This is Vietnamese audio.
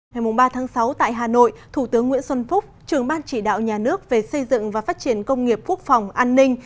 ngày ba sáu tại hà nội thủ tướng nguyễn xuân phúc trường ban chỉ đạo nhà nước về xây dựng và phát triển công nghiệp quốc phòng an ninh